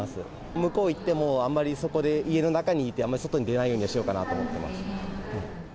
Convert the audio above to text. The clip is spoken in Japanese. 向こう行っても、あまり外で、家の中にいて、あんまり外に出ないようにはしようかなと思ってます。